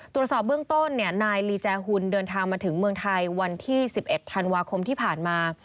ตรวจสอบเบื้องต้นนายลีแจหุ่นเดินทางมาถึงเมืองไทยวันที่๑๑ธันวาคมที่ผ่านมา